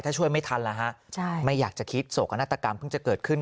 ถ้าช่วยไม่ทันแล้วฮะไม่อยากจะคิดโศกนาฏกรรมเพิ่งจะเกิดขึ้น